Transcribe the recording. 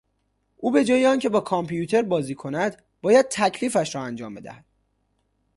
او به جای آن که با کامپیوتر بازی کند، باید تکلیفش را انجام بدهد.